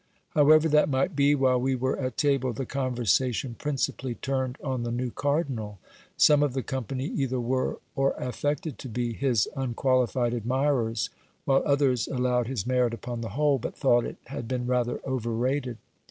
However that might be, while we were at table, the conversation principally turned on the new cardinal. Some of the company either were, or affected to be, his unqualified admirers, while others allowed his merit upon the whole, but thought it had been rather overrated.